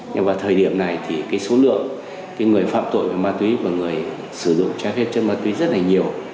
nhưng vào thời điểm này thì cái số lượng người phạm tội về ma túy và người sử dụng trái phép chất ma túy rất là nhiều